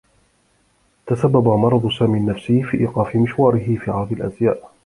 تسبّب مرض سامي النّفسي في إيقاف مشواره في عرض الأزياء.